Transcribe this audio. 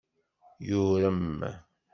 Yurem.